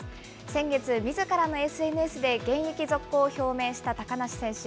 先月、みずからのＳＮＳで現役続行を表明した高梨選手。